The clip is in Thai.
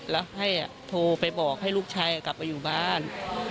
แล้วให้โทรไปบอกให้ลูกชายกลับไปอยู่บ้าน